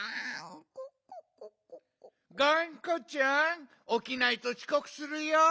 がんこちゃんおきないとちこくするよ！